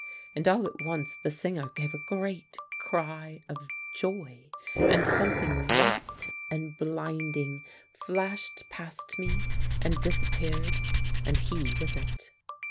And all at once the singer gave a great cry of joy, and something white and blinding flashed past me and disappeared, and he with it.